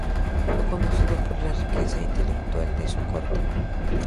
Fue conocido por la riqueza intelectual de su corte.